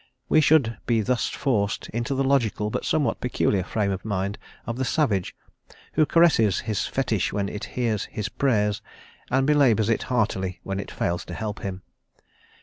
We should be thus forced into the logical, but somewhat peculiar, frame of mind of the savage, who caresses his fetish when it hears his prayers, and belabours it heartily when it fails to help him.